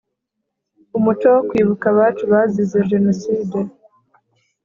umuco wo kwibuka abacu bazize jenoside